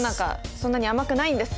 そんなに甘くないんです。